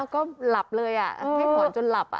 ก็หลับเลยให้ถอนจนหลับ